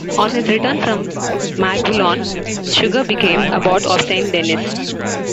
On his return from Maguelonne, Suger became abbot of St-Denis.